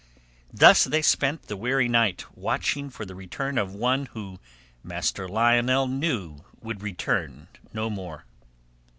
Thus they spent the weary night, watching for the return of one who Master Lionel knew would return no more.